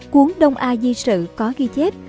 cuốn đông a di sự có ghi chép